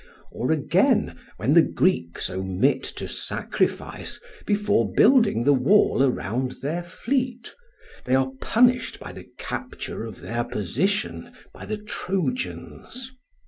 Or again, when the Greeks omit to sacrifice before building the wall around their fleet, they are punished by the capture of their position by the Trojans.